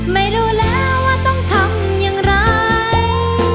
ไม่รู้แล้วว่าต้องทำอย่างไร